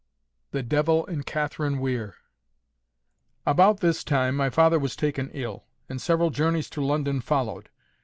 THE DEVIL IN CATHERINE WEIR. About this time my father was taken ill, and several journeys to London followed.